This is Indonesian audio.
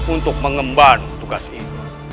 untuk mengemban tugas ini